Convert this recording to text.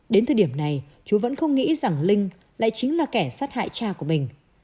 đến thời điểm này chú vẫn không nghĩ rằng linh lại chính là kẻ sát hại cha của mình